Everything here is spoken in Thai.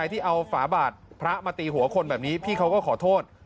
ที่เอาฝาบาดพระมาตีหัวคนแบบนี้พี่เขาก็ขอโทษ